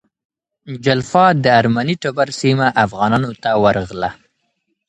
جلفا د ارمني ټبر سیمه افغانانو ته ورغله.